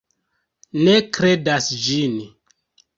Ne kredas ĝin.